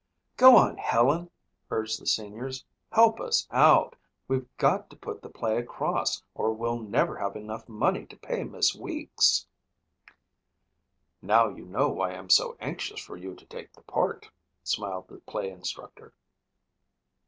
"Go on, Helen," urged the seniors. "Help us out. We've got to put the play across or we'll never have enough money to pay Miss Weeks." "Now you know why I'm so anxious for you to take the part," smiled the play instructor.